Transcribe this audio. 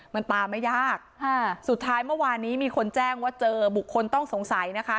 มันตามไม่ยากสุดท้ายเมื่อวานนี้มีคนแจ้งว่าเจอบุคคลต้องสงสัยนะคะ